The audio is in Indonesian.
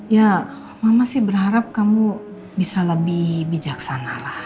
ya mama sih berharap kamu bisa lebih bijaksana lah